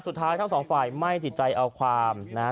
อ่ะสุดท้ายเท่าสองฝ่ายไม่ดีใจเอาความนะฮะ